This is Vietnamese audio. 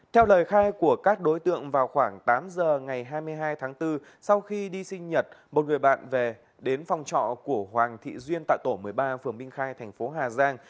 theo lời khai của các đối tượng vào khoảng tám giờ ngày hai mươi hai tháng bốn sau khi đi sinh nhật một người bạn về đến phòng trọ của hoàng thị duyên tại tổ một mươi ba phường minh khai thành phố hà giang